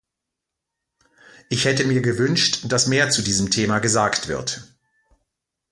Ich hätte mir gewünscht, dass mehr zu diesem Thema gesagt wird.